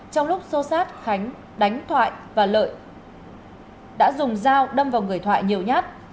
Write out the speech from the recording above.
trong lúc xô sát khánh đánh thoại và lợi đã dùng dao đâm vào người thoại nhiều nhát